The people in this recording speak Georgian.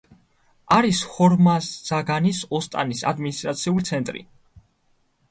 არის ჰორმაზაგანის ოსტანის ადმინისტრაციული ცენტრი.